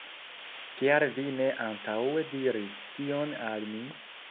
Kial vi ne antaŭe diris tion al mi?